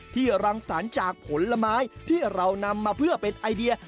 รังสรรค์จากผลไม้ที่เรานำมาเพื่อเป็นไอเดีย